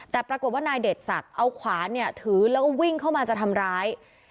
แต่ปรากฏว่านายเดชศักดิ์เอาขวานเนี่ยถือแล้วก็วิ่งเข้ามาจะทำร้าย